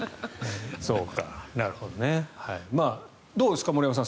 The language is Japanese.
どうですか、森山さん